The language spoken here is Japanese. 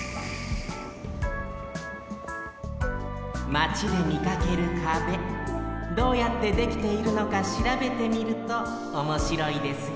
マチでみかける壁どうやってできているのかしらべてみるとおもしろいですよ